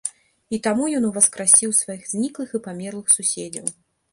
І таму ён уваскрасіў сваіх зніклых і памерлых суседзяў.